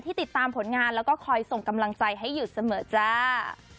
ติดตามผลงานแล้วก็คอยส่งกำลังใจให้อยู่เสมอจ้า